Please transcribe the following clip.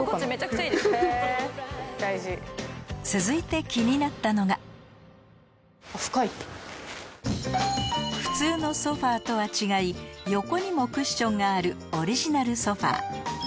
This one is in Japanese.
続いて気になったのが普通のソファとは違いがあるオリジナルソファ